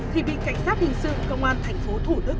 thì bị cảnh sát hình sự công an thành phố thủ đức